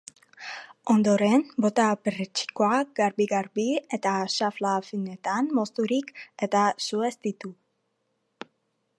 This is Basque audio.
Ondoren, bota perretxikoak garbi garbi eta xafla finetan mozturik, eta sueztitu.